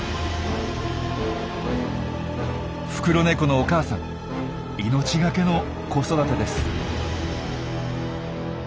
フクロネコのお母さん命懸けの子育てです。